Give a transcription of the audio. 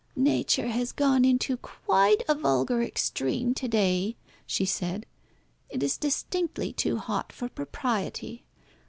"Nature has gone into quite a vulgar extreme to day," she said. "It is distinctly too hot for propriety.